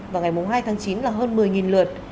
và ngày hai tháng chín là hơn một mươi lượt